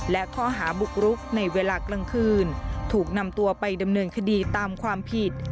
และข้อหาบุกรุกในเวลากลางคืนถูกนำตัวไปดำเนินคดีตามความผิด